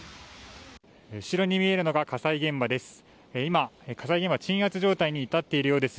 後ろに見えるのが火災現場です。